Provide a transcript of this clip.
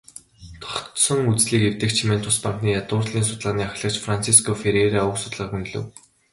"Тогтсон үзлийг эвдэгч" хэмээн тус банкны ядуурлын судалгааны ахлагч Франсиско Ферреира уг судалгааг үнэлэв.